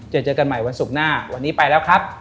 เจอเจอกันใหม่วันศุกร์หน้าวันนี้ไปแล้วครับ